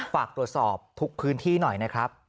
ฝากตรวจสอบทุกพื้นที่หน่อยนะครับ